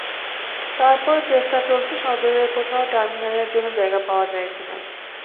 তারপরও চেষ্টা চলছে সদরের কোথাও টার্মিনালের জন্য জায়গা পাওয়া যায় কিনা।